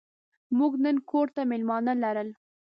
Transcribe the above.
موږ نن کور ته مېلمانه لرل.